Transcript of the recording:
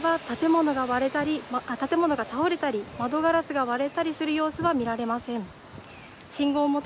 私の見える限りでは建物が倒れたり窓ガラスが割れたりする様子は見られません。